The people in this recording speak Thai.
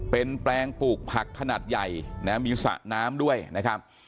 เป็นแปลงปลูกผักขนาดใหญ่นะมีสระน้ำด้วยนะครับ